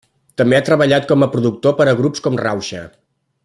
També ha treballat com a productor per grups com Rauxa.